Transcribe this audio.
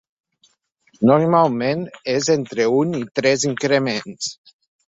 Normalment, és entre un i tres increments.